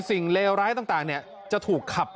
สิ่งเลวร้ายต่างเนี่ยจะถูกขับ